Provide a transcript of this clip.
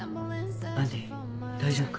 ・アンディ大丈夫か？